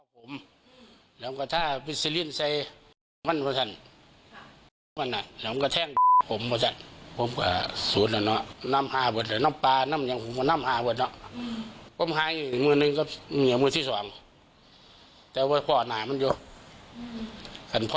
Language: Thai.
สิ่งภาพอีดร่วยแหละมันก็ตื่นเต้นธรรมดาเนอะเล็กน้อย